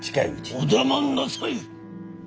お黙んなさい！